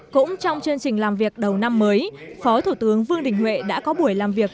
cũng trong chương trình làm việc đầu năm mới phó thủ tướng vương đình huệ đã có buổi làm việc